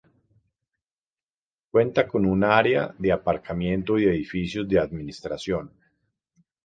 Cuenta con un área de aparcamiento y edificios de administración.